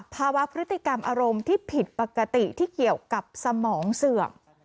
ภาวะพฤติกรรมอารมณ์ที่ผิดปกติที่เกี่ยวกับสมองเสื่อม